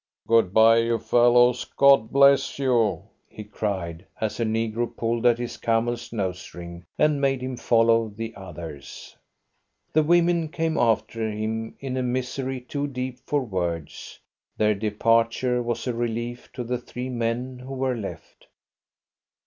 "Good bye, you fellows! God bless you!" he cried, as a negro pulled at his camel's nose ring and made him follow the others. The women came after him, in a misery too deep for words. Their departure was a relief to the three men who were left.